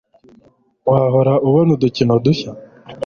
Wahoraga ubona udukino dushya